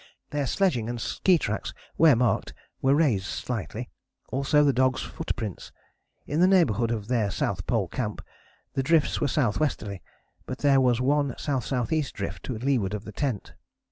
Their sledging and ski tracks, where marked, were raised slightly, also the dogs' footprints. In the neighbourhood of their South Pole Camp the drifts were S.W.ly, but there was one S.S.E. drift to leeward of tent.